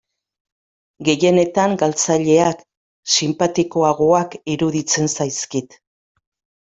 Gehienetan galtzaileak sinpatikoagoak iruditzen zaizkit.